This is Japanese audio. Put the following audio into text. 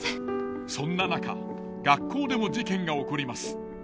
そんな中学校でも事件が起こります。